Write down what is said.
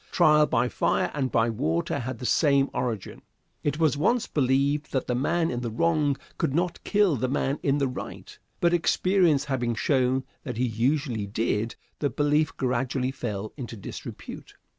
Trial by fire and by water had the same origin. It was once believed that the man in the wrong could not kill the man in the right; but, experience having shown that he usually did, the belief gradually fell into disrepute.